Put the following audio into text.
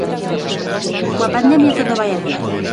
Coa pandemia todo vai a peor.